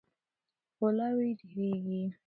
غلاوې ډیریږي.